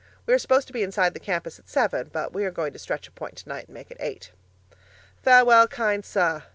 We are supposed to be inside the campus at seven, but we are going to stretch a point tonight and make it eight. Farewell, kind Sir.